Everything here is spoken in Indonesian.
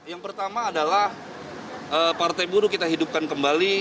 yang pertama adalah partai buruh kita hidupkan kembali